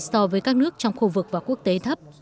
so với các nước trong khu vực và quốc tế thấp